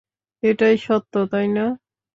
এটাই সত্য, তাই না?